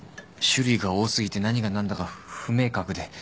種類が多過ぎて何が何だか不明確で。